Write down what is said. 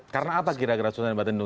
karena apa kira kira suasana batin itu